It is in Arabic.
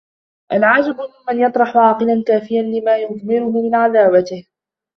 الْعَجَبُ مِمَّنْ يَطْرَحُ عَاقِلًا كَافِيًا لِمَا يُضْمِرُهُ مِنْ عَدَاوَتِهِ